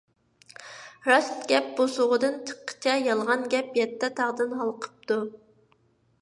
راست گەپ بۇسۇغىدىن چىققىچە، يالغان گەپ يەتتە تاغدىن ھالقىپتۇ.